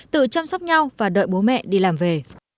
tự chăm sóc nhau và đợi bố mẹ đi làm về